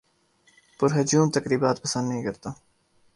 پر ہجوم تقریبات پسند نہیں کرتا